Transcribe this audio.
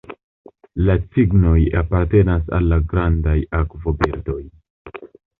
La cignoj apartenas al la grandaj akvobirdoj.